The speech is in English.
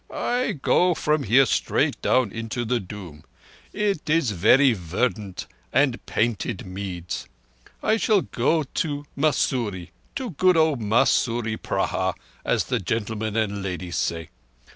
I go from here straight into the Doon. It is verree verdant and painted meads. I shall go to Mussoorie to good old Munsoorie Pahar, as the gentlemen and ladies say.